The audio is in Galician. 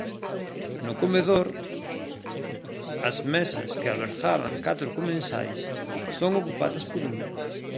No comedor, as mesas que albergaban catro comensais son ocupadas por un.